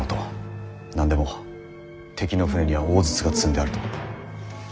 何でも敵の船には大筒が積んであると。